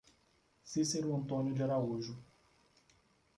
Cicero Antônio de Araújo